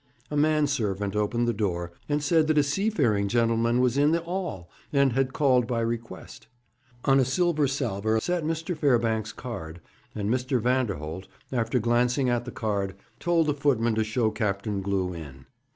A man servant opened the door, and said that a seafaring gentleman was in the 'all, and had called by request. On a silver salver lay Mr. Fairbanks' card, and Mr. Vanderholt, after glancing at the card, told the footman to show Captain Glew in.